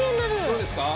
どうですか？